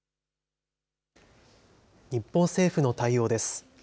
日本政府の対応です。